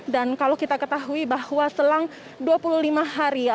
dan kalau kita ketahui bahwa selang dua puluh lima hari